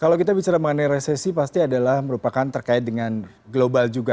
kalau kita bicara mengenai resesi pasti adalah merupakan terkait dengan global juga